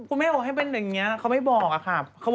ครูแม่บอกให้เป็นแบบนี้ก็ไม่บอกอะค่ะ